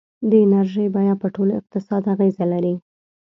د انرژۍ بیه په ټول اقتصاد اغېزه لري.